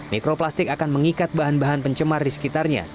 mikroplastik akan mengikat bahan bahan pencemar di sekitarnya